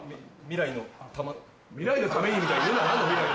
「未来のために」みたいに言うな。